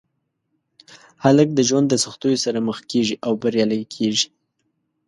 هلک د ژوند د سختیو سره مخ کېږي او بریالی کېږي.